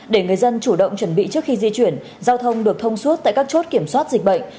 để người dân chủ động chuẩn bị trước khi di chuyển giao thông được thông suốt tại các chốt kiểm soát dịch bệnh